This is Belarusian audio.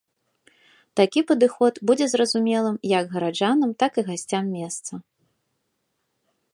Такі падыход будзе зразумелым як гараджанам, так і гасцям месца.